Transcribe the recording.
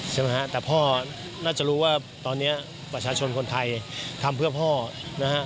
ใช่ไหมฮะแต่พ่อน่าจะรู้ว่าตอนนี้ประชาชนคนไทยทำเพื่อพ่อนะฮะ